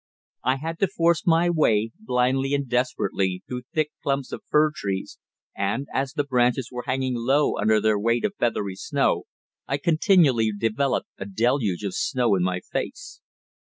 I had to force my way, blindly and desperately, through thick clumps of fir trees, and as the branches were hanging low under their weight of feathery snow, I continually received a deluge of snow in my face.